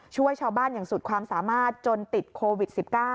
ช่วยชาวบ้านอย่างสุดความสามารถจนติดโควิด๑๙